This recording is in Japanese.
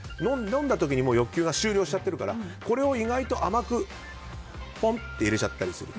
飲んだ時に欲求が終了しちゃってるから意外と甘くポンと入れちゃったりする。